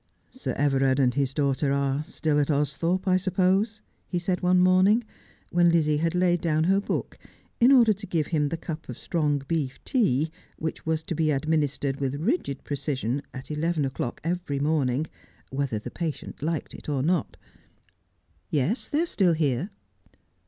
' Sir Everard and his daughter are still at Austhorpe, I sup pose ?' he said one morning, when Lizzie had laid down her book in order to give him the cup of strong beef tea which was to be administered with rigid precision at eleven o'clock every morn ing, whether the patient liked it or not. ' Yes, they are still here.'